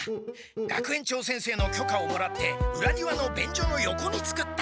学園長先生のきょかをもらってうらにわのべんじょの横に作った。